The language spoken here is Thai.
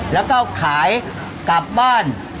แล้วก็ขายกลับบ้าน